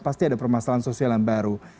pasti ada permasalahan sosial yang baru